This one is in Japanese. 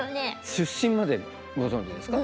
出身までご存じですか？